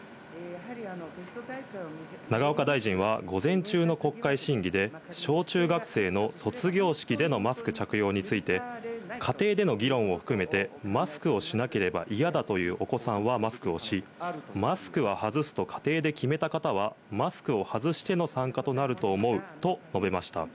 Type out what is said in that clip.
永岡大臣は午前中の国会審議で、小中学生の卒業式でのマスク着用について、家庭での議論を含めて、マスクをしなければ嫌だというお子さんはマスクをし、マスクは外すと家庭で決めた方は、マスクを外しての参加となると思うと述べました。